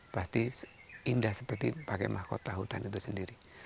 pasti indah seperti pakai mahkota hutan itu sendiri